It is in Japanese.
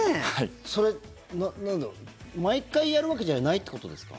それ、毎回やるわけじゃないってことですか？